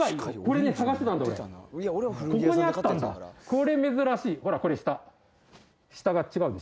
これ珍しい！